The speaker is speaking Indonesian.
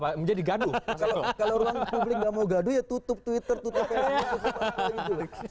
kalau ruang publik nggak mau gaduh ya tutup twitter tutup facebook tutup apa apa gitu